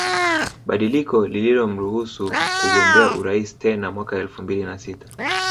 Badiliko lililomruhusu kugombea urais tena mwaka elfu mbili na sita